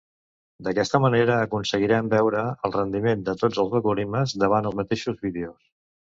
D'aquesta manera aconseguirem veure el rendiment de tots els algorismes davant els mateixos vídeos.